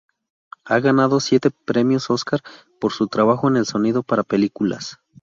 Ha ganado siete premios Óscar por su trabajo en el sonido para películas.